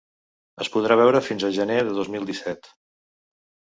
Es podrà veure fins al gener de dos mil disset.